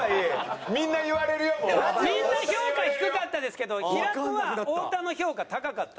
みんな評価低かったですけど平子は太田の評価高かった。